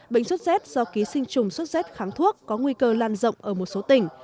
bệnh sốt rét do ký sinh trùng sốt xét kháng thuốc có nguy cơ lan rộng ở một số tỉnh